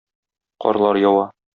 Карлар ява...